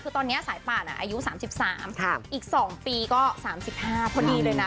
คือตอนนี้สายป่านอายุ๓๓อีก๒ปีก็๓๕พอดีเลยนะ